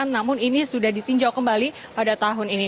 namun ini sudah ditinjau kembali pada tahun ini